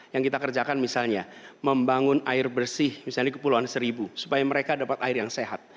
yang kita kerjakan misalnya membangun air bersih misalnya di kepulauan seribu supaya mereka dapat air yang sehat